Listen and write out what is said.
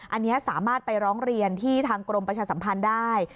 อันนี้สามารถไปร้องเรียนที่ทางกรมประชาสัมพันธ์ได้